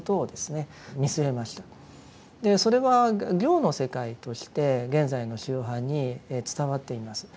それは行の世界として現在の宗派に伝わっています。